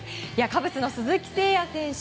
カブスの鈴木誠也選手